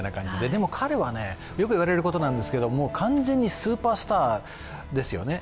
でも、彼はよく言われることなんですけど、完全にスーパースターですよね。